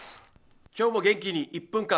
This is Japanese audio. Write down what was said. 今日も元気に「１分間！